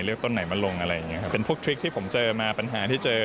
เรียกต้นไหนมาลงเป็นพวกแซมที่ผมเจอมาปัญหาที่เจอ